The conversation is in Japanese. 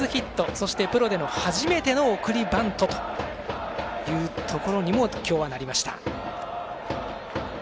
そして、プロでの初めての送りバントというところにも今日はなりました。